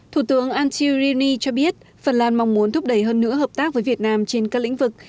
thủ tướng anti rini cho biết phần lan mong muốn thúc đẩy hơn nữa hợp tác với việt nam trên các lĩnh vực